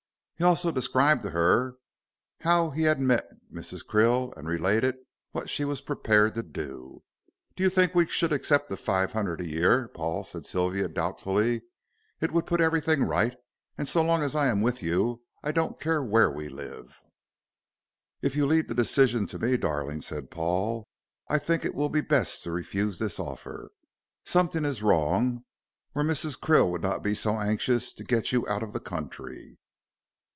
He also described to her how he had met Mrs. Krill and related what she was prepared to do. "Do you think we should accept the five hundred a year, Paul," said Sylvia, doubtfully; "it would put everything right, and so long as I am with you I don't care where we live." "If you leave the decision to me, darling," said Paul, "I think it will be best to refuse this offer. Something is wrong, or Mrs. Krill would not be so anxious to get you out of the country."